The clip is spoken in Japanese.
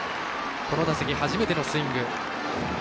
この打席初めてのスイング。